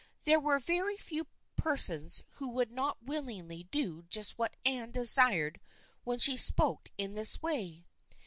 There were very few persons who would not willingly do just what Anne desired when she spoke in this way.